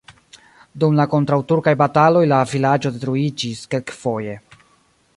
Dum la kontraŭturkaj bataloj la vilaĝo detruiĝis kelkfoje.